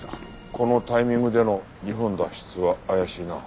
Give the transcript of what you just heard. このタイミングでの日本脱出は怪しいな。